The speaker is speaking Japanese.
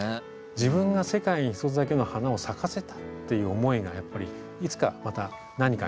自分が世界に一つだけの花を咲かせたっていう思いがやっぱりいつかまた何かに変わると思うんですね。